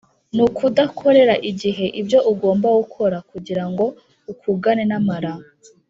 ni ukudakorera igihe ibyo ugomba gukora kugira ngo ukugana namara